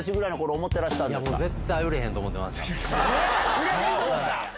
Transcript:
売れへんと思ってた？